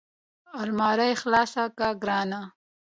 المارۍ خلاصه کړه ګرانه !